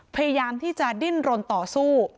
พยายามที่จะดิ้นรนต่อสู้